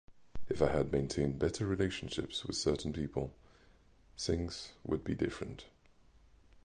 If I had maintained better relationships with certain people, things would be different.